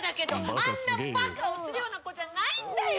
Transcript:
あんなバカをするような子じゃないんだよ！